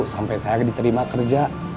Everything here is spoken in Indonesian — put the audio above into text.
sampai saya diterima kerja